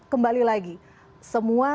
kembali lagi semua